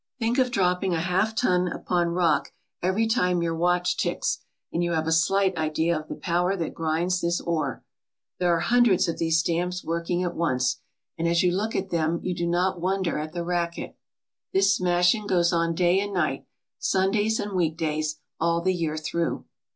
Think of dropping a half ton upon rock every time your watch ticks and you have a slight idea of the power that grinds this ore. There are hundreds of these stamps working at once, and as you look at them you do not wonder at the racket. This smashing goes on day and night, Sundays and week days, all the year through.